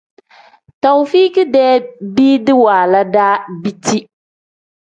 Taufik-dee biidi waala daa biti.